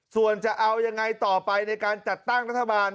ส่วนจะเอายังไงต่อไปในการจัดตั้งรัฐบาล